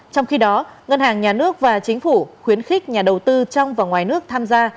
trong khi đó ngân hàng nhà nước và chính phủ khuyến khích nhà đầu tư trong và ngoài nước tham gia